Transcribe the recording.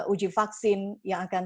uji vaksin yang akan